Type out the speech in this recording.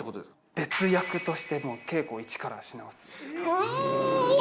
別役として稽古を一からし直すうーわっ！